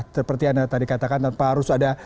seperti anda tadi katakan tanpa harus ada